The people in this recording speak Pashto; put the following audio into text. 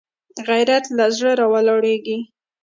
غیرت له زړه راولاړېږي